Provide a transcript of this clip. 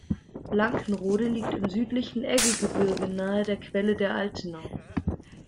Blankenrode liegt im südlichen Eggegebirge nahe der Quelle der Altenau.